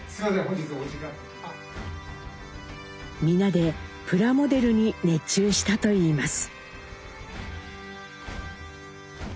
皆でプラモデルに熱中したといいます。